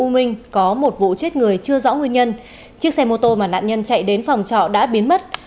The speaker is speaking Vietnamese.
biết người chưa rõ nguyên nhân chiếc xe mô tô mà nạn nhân chạy đến phòng trọ đã biến mất